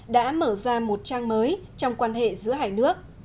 đã mở ra một trang mới trong quan hệ giữa hai nước